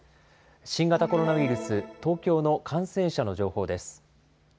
新型コロナウイルス、東京の感染者の情報です。